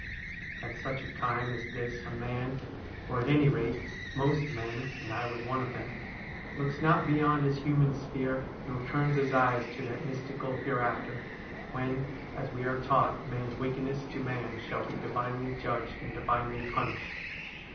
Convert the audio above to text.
At such a time as this a man — or, at any rate, most men, and I was one of them — looks not beyond his human sphere, nor turns his eyes to that mystical hereafter, when, as we are taught, man's wickedness to man shall be divinely judged and divinely punished.